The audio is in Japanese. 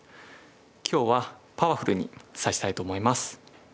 今日はパワフルに指したいと思います。